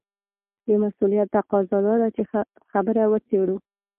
د مسووليت تقاضا دا ده چې خبره وڅېړو.